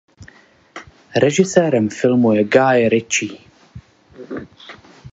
Režisérem filmu je Guy Ritchie.